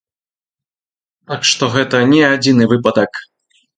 Так што гэта не адзіны выпадак.